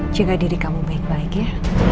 jaga diri kamu baik baik ya